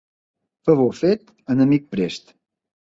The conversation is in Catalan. Favor fet, enemic prest.